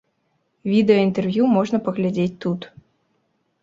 Відэа інтэрв'ю можна паглядзець тут.